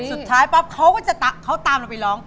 สุดท้ายปั๊บเขาก็จะเขาตามเราไปร้อง